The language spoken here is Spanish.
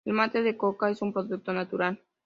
El mate de coca es un producto natural.